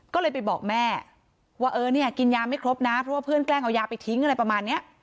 ก็เลยไปบอกแม่ว่าเออเนี่ยกินยาไม่ครบนะเพราะว่าเพื่อนแกล้งเอายาไปทิ้งอะไรประมาณนี้